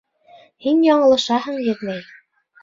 Һин яңылышаһың, еҙнәй.